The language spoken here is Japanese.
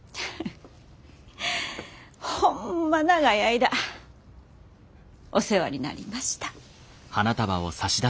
ホンマ長い間お世話になりました。